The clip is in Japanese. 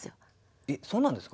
えっそうなんですか？